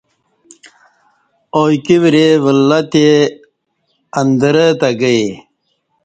ا ایکی ورے ولہّ تے اندرہ تے گئے